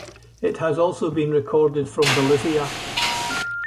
It has also been recorded from Bolivia.